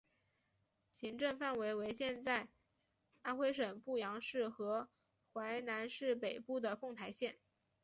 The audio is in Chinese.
行政范围为现在安徽省阜阳市和淮南市北部的凤台县。